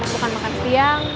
bukan makan siang